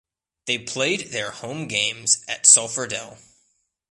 They played their home games at Sulphur Dell.